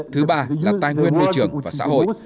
thứ ba là tài nguyên môi trường và xã hội